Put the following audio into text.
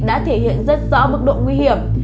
đã thể hiện rất rõ mức độ nguy hiểm